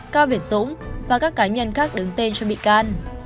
cao việt dũng và các cá nhân khác đứng tên cho bị can